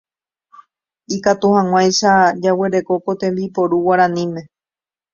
Ikatu hag̃uáicha jaguereko ko tembiporu guaraníme